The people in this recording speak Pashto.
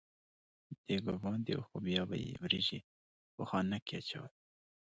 دېګ به باندې و خو بیا یې وریجې په خانک کې اچولې.